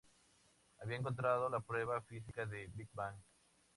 Habían encontrado la prueba física del Big Bang.